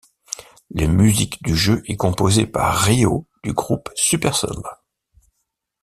La musique du jeu est composée par ryo du groupe supercell.